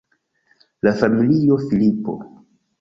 La familio Filipo.